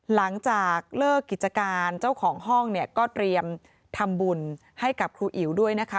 หลังจากเลิกกิจการเจ้าของห้องเนี่ยก็เตรียมทำบุญให้กับครูอิ๋วด้วยนะคะ